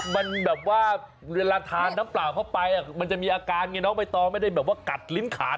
มันแบบว่าเวลาทานน้ำเปล่าเข้าไปมันจะมีอาการไงน้องใบตองไม่ได้แบบว่ากัดลิ้นขาด